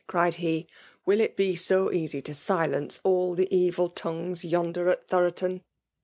eriod he, '^ Will it be so easy to silence all the eril tongues yonder at Thoroton